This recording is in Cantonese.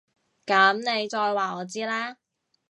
噉你再話我知啦